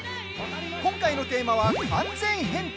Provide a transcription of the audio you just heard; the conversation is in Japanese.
今回のテーマは「完全変態」。